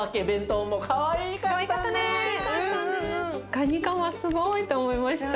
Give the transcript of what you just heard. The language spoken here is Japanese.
カニカマすごいと思いました。